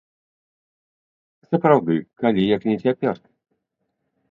Сапраўды, калі як не цяпер?